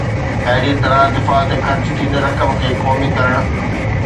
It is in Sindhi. اهڙيءَ طرح دفاع تي خرچ ٿيندڙ رقم کي قومي ڪرڻ